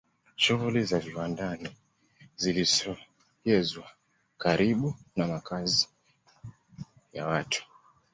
shughuli za viwandani zilisogezwa karibu na makazi ya watu